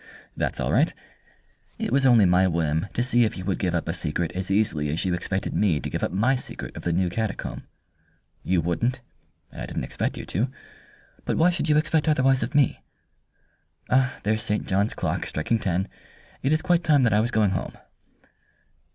"That's all right. It was only my whim to see if you would give up a secret as easily as you expected me to give up my secret of the new catacomb. You wouldn't, and I didn't expect you to. But why should you expect otherwise of me? There's St. John's clock striking ten. It is quite time that I was going home."